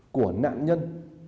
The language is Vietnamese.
của nạn nhân